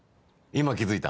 今気付いた？